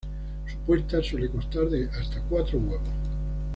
Su puesta suele constar de hasta cuatro huevos.